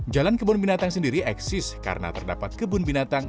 jalan kebun binatang sendiri eksis karena terdapat kebun binatang